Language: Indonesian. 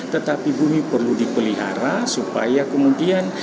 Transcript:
tetapi bumi perlu dipelihara supaya kemudian